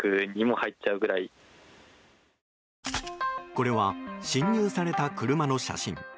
これは侵入された車の写真。